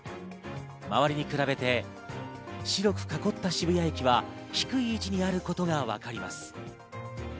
周りに比べて白くかこった渋谷駅は低い位置にあることがわかります。